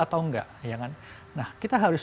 atau enggak kita harus